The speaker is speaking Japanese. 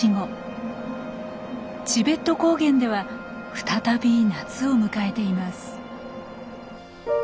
チベット高原では再び夏を迎えています。